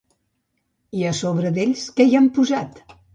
I a sobre d'ells, què hi han posat?